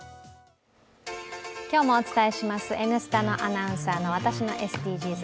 今日もお伝えします「Ｎスタ」のアナウンサーの私のＳＤＧｓ。